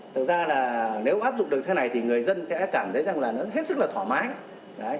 thực ra là nếu áp dụng được thế này thì người dân sẽ cảm thấy rằng là nó hết sức là thoải mái